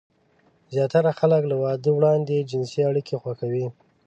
زياتره خلک له واده وړاندې جنسي اړيکې خوښوي.